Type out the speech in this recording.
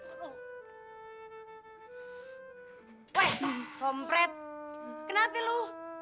aku lebih bijaksana daripada kamu